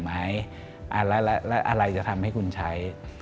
แล้วอะไรจะทำให้คุณใช้